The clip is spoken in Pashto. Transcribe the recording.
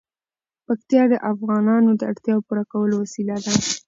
پکتیا د افغانانو د اړتیاوو د پوره کولو وسیله ده.